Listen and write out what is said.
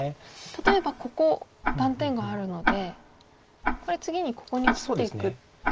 例えばここ断点があるのでこれ次にここに切っていくっていうのは。